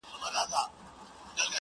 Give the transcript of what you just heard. پر مین سول که قاضیان که وزیران وه.!